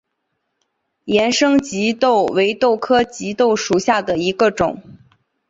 盐生棘豆为豆科棘豆属下的一个种。